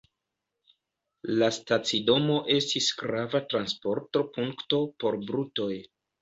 La stacidomo estis grava transporto-punkto por brutoj.